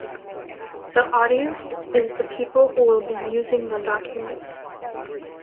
The audience is the people who will be using the document.